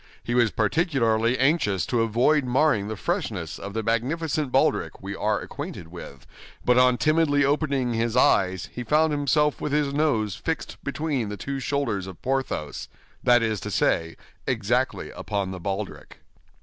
He was particularly anxious to avoid marring the freshness of the magnificent baldric we are acquainted with; but on timidly opening his eyes, he found himself with his nose fixed between the two shoulders of Porthos—that is to say, exactly upon the baldric.